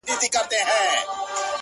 وي دردونه په سيــــنـــــوكـــــــــي _